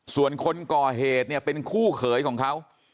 ส่วนคนก่อเหตุเนี่ยเป็นคู่เขยของเขา